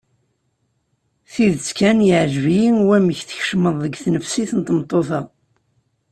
Tidet kan yeɛjeb-iyi wamek tkecmeḍ deg tnefsit n tmeṭṭut-a.